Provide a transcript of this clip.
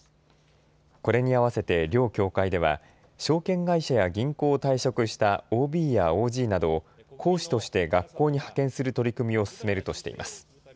これに合わせて両協会では証券会社や銀行を退職したＯＢやＯＧなどを講師として学校に派遣する取り組みを進めるとしています。